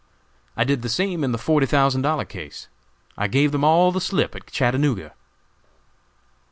I did the same in the forty thousand dollar case. I gave them all the slip at Chattanooga."